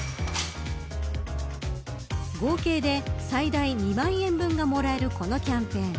合計で最大２万円分がもらえるこのキャンペーン。